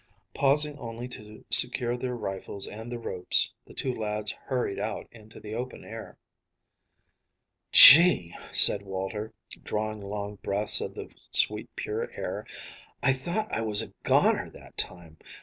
Pausing only to secure their rifles and the ropes, the two lads hurried out into the open air. "Gee!" said Walter, drawing long breaths of the sweet, pure air, "I thought I was a goner that time.